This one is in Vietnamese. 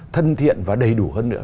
thân thiện và đầy đủ hơn nữa